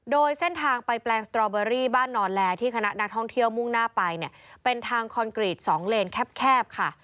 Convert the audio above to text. โดยเส้นทางไปแปลงสตรอเบอรี่บ้านนอนแลที่คณะนักท่องเที่ยวมุ่งหน้าไปเนี่ยเป็นทางคอนกรีต๒เลนแคบค่ะ